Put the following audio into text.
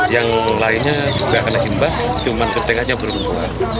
yang lainnya juga kena kimbas cuman ketingganya berumbuah